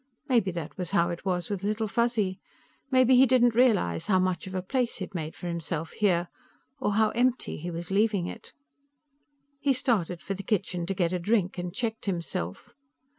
Maybe that was how it was with Little Fuzzy. Maybe he didn't realize how much of a place he had made for himself here, or how empty he was leaving it. He started for the kitchen to get a drink, and checked himself.